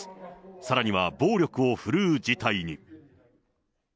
さらには暴力を振るう事態に。